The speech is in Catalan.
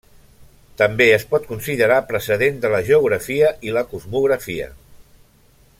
També es pot considerar precedent de la geografia i la cosmografia.